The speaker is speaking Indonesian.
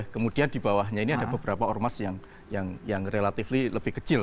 kemudian di bawahnya ini ada beberapa ormas yang relatif lebih kecil